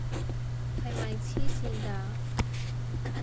係咪癡線㗎？